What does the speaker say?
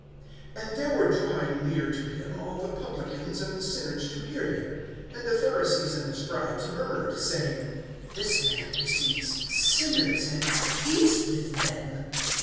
AND there were drawing near to him all the publicans and the sinners to hear him. (2)And the Pharisees and the scribes murmured, saying: This man receives sinners, and eats with them.